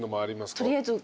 取りあえず。